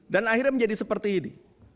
dan akhirnya menjadi seperti ini